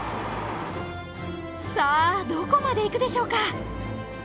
さあどこまで行くでしょうか。